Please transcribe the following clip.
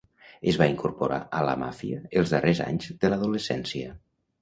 Es va incorporar a la Màfia els darrers anys de l'adolescència.